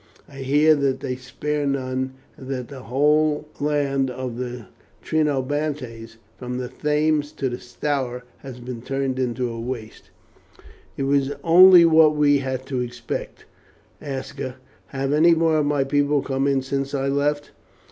I hear that they spare none, and that the whole land of the Trinobantes, from the Thames to the Stour, has been turned into a waste." "It was only what we had to expect, Aska. Have any more of my people come in since I left?"